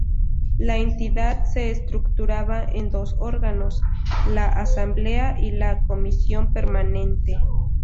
La entidad se estructuraba en dos órganos: la "Asamblea" y la "Comisión Permanente".